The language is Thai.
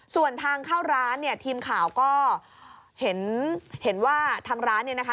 ส่วนทางเข้าร้านทีมข่าวก็เห็นว่าทางร้านนี่นะคะ